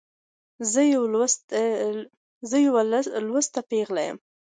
زه یوه لوستې پیغله يمه.